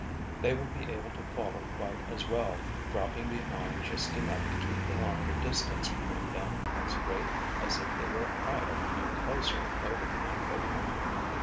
They would be able to follow quite as well, dropping behind just enough to keep the line of distance between them as great as if they were higher and closer over the amphibian.